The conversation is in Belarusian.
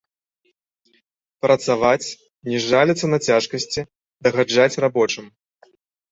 Працаваць, не жаліцца на цяжкасці, дагаджаць рабочым.